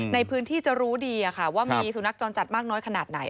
ในพื้นที่จะรู้ดีว่ามีสุนัขจรจัดมากน้อยขนาดไหน